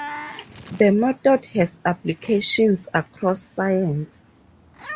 The method has applications across science.